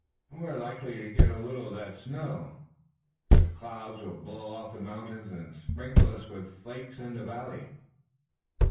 "Then we're likely to get a little of that snow. The clouds will blow off the mountains and sprinkle us with flakes in the valley."